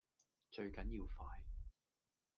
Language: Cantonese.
最緊要快